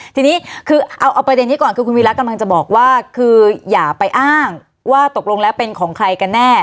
ทีนี้คือเอาประเด็นนี้ก่อนคือคุณวีระกำลังจะบอกว่าคืออย่าไปอ้างว่าตกลงแล้วเป็นของใครกันแน่